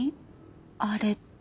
あれって？